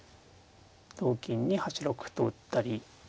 同金に８六歩と打ったり。